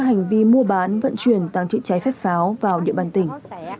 phong bán vận chuyển tàng trữ trái phép pháo vào địa bàn tỉnh